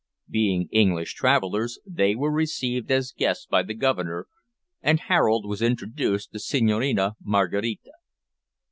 Being English travellers, they were received as guests by the Governor, and Harold was introduced to Senhorina Maraquita.